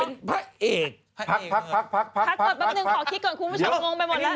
เปิดแป๊บนึงขอคิดก่อนคุณผู้ชอบงงไปหมดแล้ว